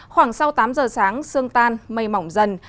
khoảng sau tám giờ sáng sương tan mây mỏng dần